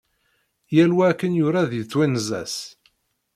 Yal wa akken yura deg twenza-s.